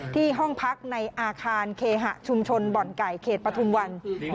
ห้องพักในอาคารเคหะชุมชนบ่อนไก่เขตปฐุมวัน